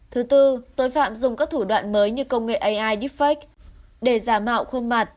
thứ tư tội phạm dùng các thủ đoạn mới như công nghệ ai deepfake để giả mạo khuôn mặt